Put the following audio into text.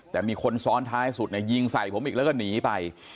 แต่มีคนซ้อนท้ายสุดยิงใส่ผมอีกแล้วก็หนีไป